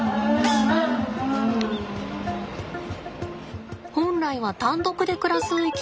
本来は単独で暮らす生き物なんだって。